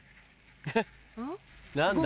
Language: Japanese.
何だ？